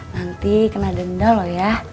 nanti kena denda loh ya